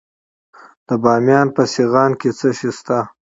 د بامیان په سیغان کې څه شی شته؟